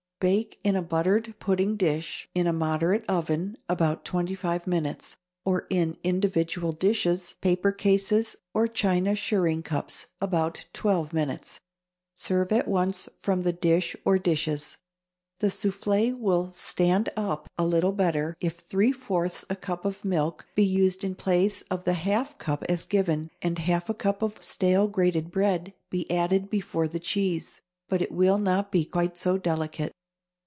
Bake in a buttered pudding dish, in a moderate oven, about twenty five minutes, or in individual dishes, paper cases, or china shirring cups, about twelve minutes. Serve at once from the dish or dishes. The soufflé will "stand up" a little better, if three fourths a cup of milk be used in place of the half cup as given, and half a cup of stale grated bread be added before the cheese; but it will not be quite so delicate.